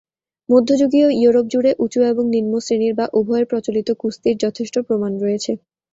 মধ্যযুগীয় ইউরোপ জুড়ে উঁচু এবং নিম্ন শ্রেণীর বা উভয়ের প্রচলিত কুস্তির যথেষ্ট প্রমাণ রয়েছে।